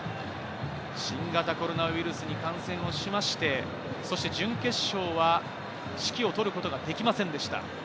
新型コロナウイルスに感染をしまして、準決勝は指揮をとることができませんでした。